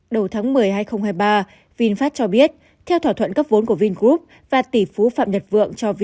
đầu tháng một mươi hai nghìn hai mươi ba vinfast cho biết theo thỏa thuận cấp vốn của vingroup và tỷ phú phạm nhật vượng